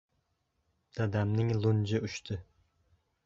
Dadamning lunji uchdi.